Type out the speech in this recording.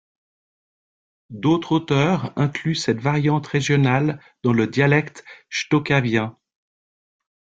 D’autres auteurs incluent cette variante régionale dans le dialecte chtokavien.